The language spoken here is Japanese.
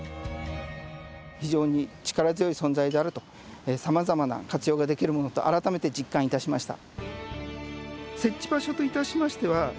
非常に力強い存在であるとさまざまな活用ができるものと改めて実感いたしました。